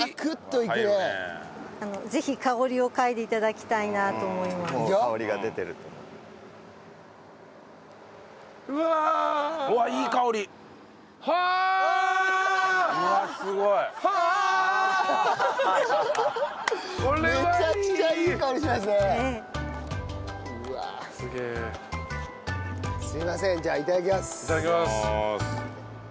いただきます。